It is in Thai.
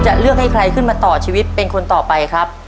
เลือกให้ใครขึ้นมาต่อชีวิตเป็นคนต่อไปครับ